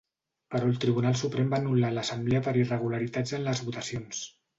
Però el Tribunal Suprem va anul·lar l’assemblea per irregularitats en les votacions.